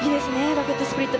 ロケットスプリット。